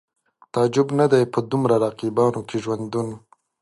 تعجب نه دی په دومره رقیبانو کې ژوندون